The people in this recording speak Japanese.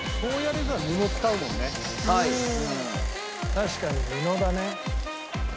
確かに布だね。